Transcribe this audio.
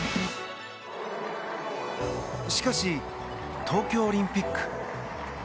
しかし、東京オリンピック。